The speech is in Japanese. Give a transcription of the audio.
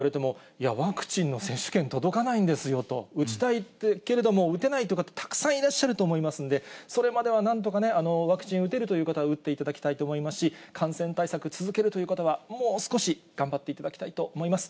いつでもワクチンが打てる環境を早く整備してほしいということを確かに、若い人たちにこうやって感染の割合５０％だと言われても、いや、ワクチンの接種券届かないんですよと、打ちたいけれども打てないという方、たくさんいらっしゃると思いますんで、それまではなんとかね、ワクチン打てるという方は打っていただきたいと思いますし、感染対策続けるという方は、もう少し頑張っていただきたいと思います。